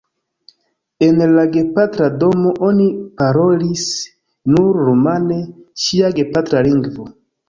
En la gepatra domo oni parolis nur rumane, ŝia gepatra lingvo.